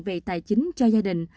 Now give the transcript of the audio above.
về tài chính cho gia đình